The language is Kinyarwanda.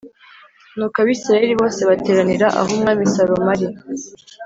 Nuko Abisirayeli bose bateranira aho Umwami Salomo ari